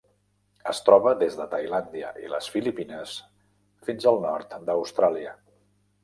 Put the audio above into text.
Es troba des de Tailàndia i les Filipines fins al nord d'Austràlia.